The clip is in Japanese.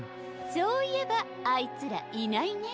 そういえばあいつらいないね。